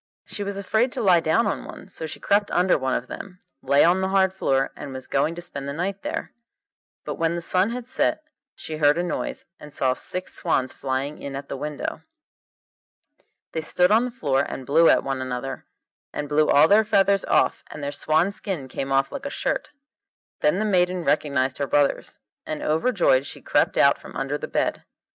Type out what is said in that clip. She was afraid to lie down on one, so she crept under one of them, lay on the hard floor, and was going to spend the night there. But when the sun had set she heard a noise, and saw six swans flying in at the window. They stood on the floor and blew at one another, and blew all their feathers off, and their swan skin came off like a shirt. Then the maiden recognised her brothers, and overjoyed she crept out from under the bed.